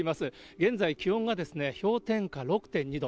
現在、気温が氷点下６点２度。